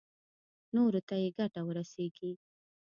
نورو ته يې ګټه ورسېږي.